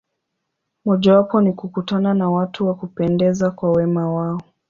Mojawapo ni kukutana na watu wa kupendeza kwa wema wao.